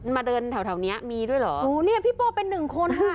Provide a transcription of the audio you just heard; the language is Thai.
มาเดินแถวแถวเนี้ยมีด้วยเหรอโอ้เนี่ยพี่โปเป็นหนึ่งคนค่ะ